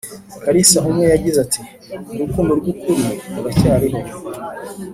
karisa umwe yagize ati “urukundo rw’ukuri ruracyariho